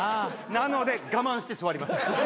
なので我慢して座ります。